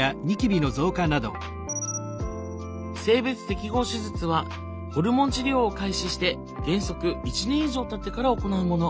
性別適合手術はホルモン治療を開始して原則１年以上たってから行うもの。